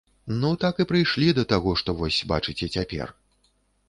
Ну, так і прыйшлі да таго, што вось бачыце цяпер.